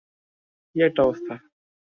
কী একটা অবস্থা!